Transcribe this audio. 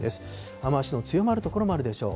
雨足の強まる所もあるでしょう。